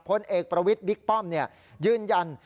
พลเอกประวิทย์บิ๊กป้อมยืนยัน